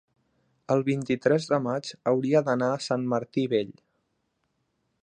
el vint-i-tres de maig hauria d'anar a Sant Martí Vell.